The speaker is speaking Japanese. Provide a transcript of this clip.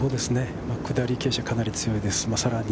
下り傾斜、かなり強いです。